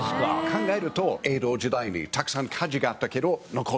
考えると江戸時代にたくさん火事があったけど残ってる。